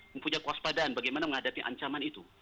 mempunyai kewaspadaan bagaimana menghadapi ancaman itu